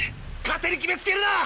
勝手に決めつけるな！